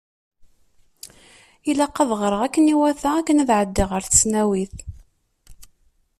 Ilaq ad ɣreɣ akken iwata akken ad ɛeddiɣ ɣer tesnawit.